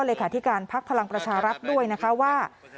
เลขาธิการพักพลังประชารัฐด้วยนะคะว่า